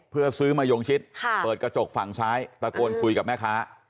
เพื่อซื้อมะยงชิดเปิดกระจกฝั่งซ้ายตะโกนคุยกับแม่ค้า